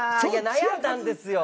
悩んだんですよ。